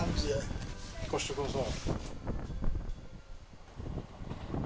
聴かせてください。